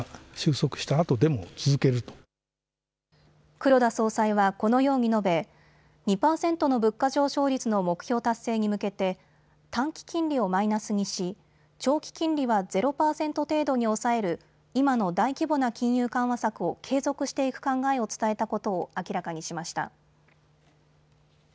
黒田総裁はこのように述べ、２％の物価上昇率の目標達成に向けて短期金利をマイナスにし、長期金利はゼロ％程度に抑える今の大規模な金融緩和策を継続していく考えを伝えたことを明らかにしました。